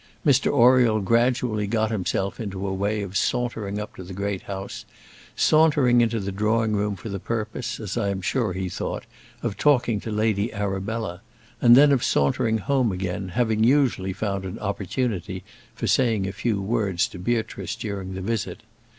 Mr Oriel gradually got himself into a way of sauntering up to the great house, sauntering into the drawing room for the purpose, as I am sure he thought, of talking to Lady Arabella, and then of sauntering home again, having usually found an opportunity for saying a few words to Beatrice during the visit.